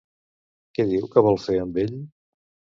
Què diu que vol fer amb ell?